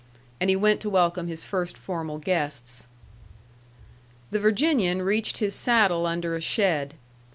And he went to welcome his first formal guests. The Virginian reached his saddle under a shed.